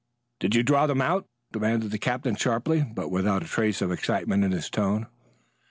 "Did you draw them out?" demanded the captain sharply, but without a trace of excitement in his tone.